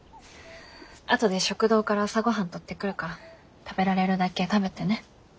後で食堂から朝ごはん取ってくるから食べられるだけ食べてね。